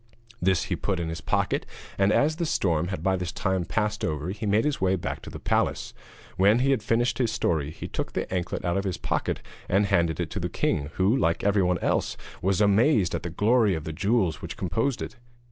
This he put into his pocket, and as the storm had by this time passed over he made his way back to the palace. When he had finished his story, he took the anklet out of his pocket and handed it to the king, who, like everyone else, was amazed at the glory of the jewels which composed it.